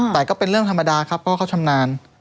แต่ก็เป็นเรื่องธรรมดาครับเพราะว่าเขาชำนาญ